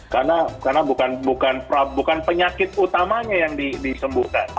karena bukan penyakit utamanya yang disembuhkan